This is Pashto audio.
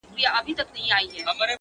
په دې پردي وطن كي _